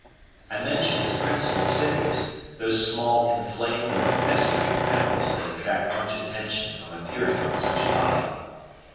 I mentioned its principal cities those small inflamed or festering pimples that attract much attention from appearing on such a body.